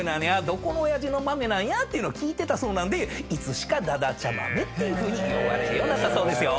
どこの親父の豆なんや？っていうのを聞いてたそうなんでいつしかだだちゃ豆っていうふうに呼ばれるようになったそうですよ。